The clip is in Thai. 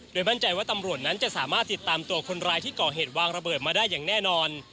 มั่นใจว่าตำรวจนั้นจะสามารถติดตามตัวคนร้ายที่ก่อเหตุวางระเบิดมาได้อย่างแน่นอน